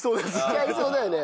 しちゃいそうだよね。